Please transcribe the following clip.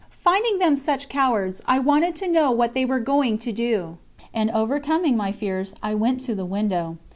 Finding them such cowards, I wanted to know what they were going to do, and, overcoming my fears, I went to the window.